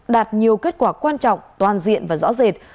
đạt nhiều kết quả quan trọng toàn diện và rõ rệt